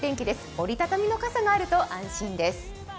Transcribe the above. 折り畳みの傘があると安心です。